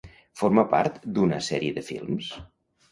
Forma part d'una sèrie de films?